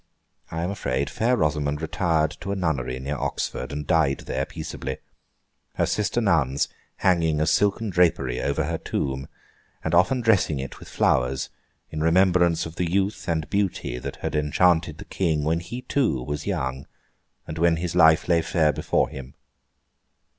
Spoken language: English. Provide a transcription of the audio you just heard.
I am afraid fair Rosamond retired to a nunnery near Oxford, and died there, peaceably; her sister nuns hanging a silken drapery over her tomb, and often dressing it with flowers, in remembrance of the youth and beauty that had enchanted the King when he too was young, and when his life lay fair before him.